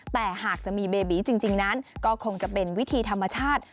แต่หากจะมีเบบีจริงนั้นก็คงจะเป็นวิธีธรรมชาติ